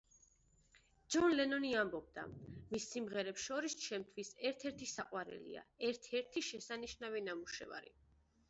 ჯონ ლენონის ამბობდა: „მის სიმღერებს შორის ჩემთვის ერთ-ერთი საყვარელია, ერთ-ერთი შესანიშნავი ნამუშევარი“.